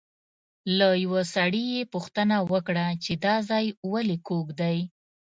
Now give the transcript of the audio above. له یوه سړي یې پوښتنه وکړه چې دا ځای ولې کوږ دی.